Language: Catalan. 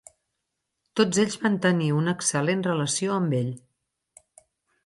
Tots ells van tenir una excel·lent relació amb ell.